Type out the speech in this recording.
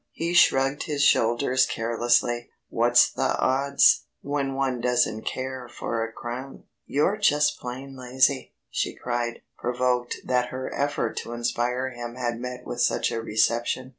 He shrugged his shoulders carelessly. "What's the odds, when one doesn't care for a crown?" "You're just plain lazy!" she cried, provoked that her effort to inspire him had met with such a reception.